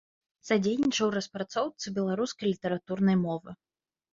Садзейнічаў распрацоўцы беларускай літаратурнай мовы.